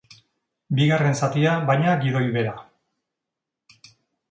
Bigarren zatia, baina gidoi bera.